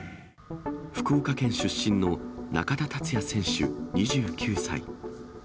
福岡県出身の中田達也選手２９歳。